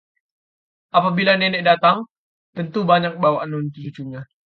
apabila nenek datang, tentu banyak bawaan untuk cucunya